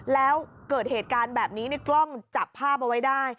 แล้วเกิดเหตุการณ์แบบนี้ในกล้องจับภาพเอาไว้ได้